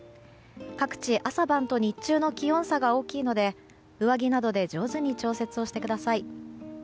各地、朝晩と日中の気温差が大きいので上着などで上手に調節をしてください。